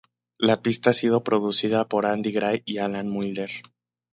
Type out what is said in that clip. La pista ha sido producida por Andy Gray y Alan Moulder.